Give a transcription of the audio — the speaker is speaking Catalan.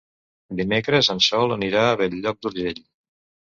Dimecres en Sol anirà a Bell-lloc d'Urgell.